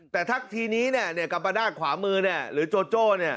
แต่ถ้าทีนี้กัมปนาศขวามือหรือโจโจ้